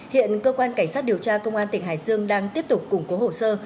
hiện cơ quan cảnh sát điều tra công an tỉnh hải dương đang tiếp tục củng cố hồ sơ